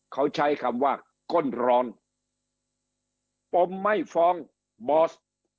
เขาใช้คำว่าก้นร้อนปมไม่ฟ้องบอส